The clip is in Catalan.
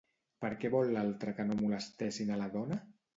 Per què vol l'altre que no molestessin a la dona?